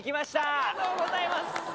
ありがとうございます。